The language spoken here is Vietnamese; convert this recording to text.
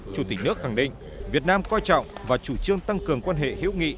chủ tịch nước khẳng định việt nam coi trọng và chủ trương tăng cường quan hệ hữu nghị